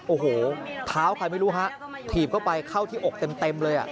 โอ้โหเท้าใครไม่รู้ฮะถีบเข้าไปเข้าที่อกเต็มเลยอ่ะ